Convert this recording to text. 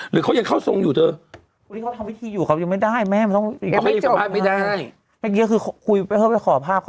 หรือเขายังเข้าสงมานี้อยู่เธอ